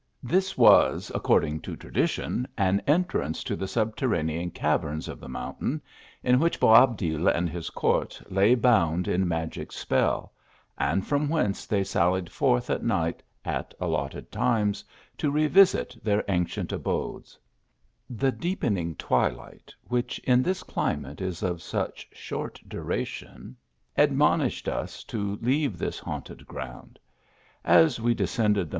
This was, according to tradition, an entrance to the sub terranean caverns of the mountain, in which Boab dil and his court lay bound in mag ; c spell ; and from whence they sallied forth at night, at allotted times, to revisit their ancient abodes. A 7M3/7?/:/: A.VOXG THE HILLS. 87 The deepening twilight, which in this climate is of such short cluiation, admonished us to leave this minted gronnd, As WP descended the.